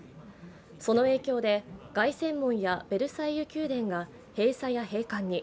その影響で凱旋門やベルサイユ宮殿が閉鎖や閉館に。